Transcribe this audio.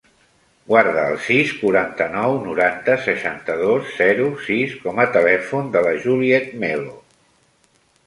Guarda el sis, quaranta-nou, noranta, seixanta-dos, zero, sis com a telèfon de la Juliet Melo.